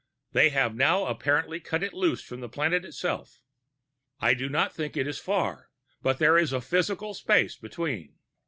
They have now apparently cut it loose from the planet itself. I do not think it is far, but there is a physical space between."